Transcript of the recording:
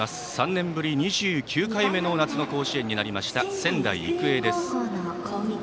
３年ぶり２９回目の夏の甲子園となりました仙台育英。